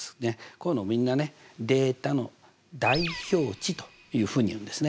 こういうのみんなねデータの代表値というふうにいうんですね。